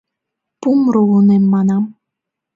Пум руынем, манам...